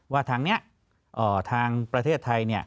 ว่าทางนี้ทางประเทศไทย